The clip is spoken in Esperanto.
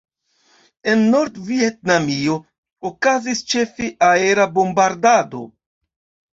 En Nord-Vjetnamio okazis ĉefe aera bombardado.